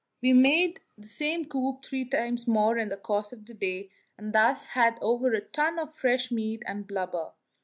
We made the same coup three times more in the course of the day, and thus had over a ton of fresh meat and blubber.